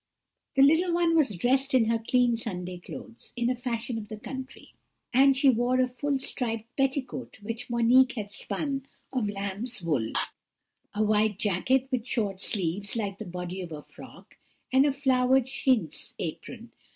"The little one was dressed in her clean Sunday clothes, in the fashion of the country, and she wore a full striped petticoat which Monique had spun of lamb's wool, a white jacket with short sleeves like the body of a frock, and a flowered chintz apron.